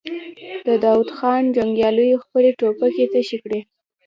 د داوود خان جنګياليو خپلې ټوپکې تشې کړې.